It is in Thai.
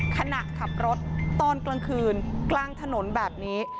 ขณะขับรถตอนกลางคืนกลางถนนแบบนี้